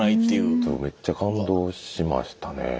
ちょっとめっちゃ感動しましたね。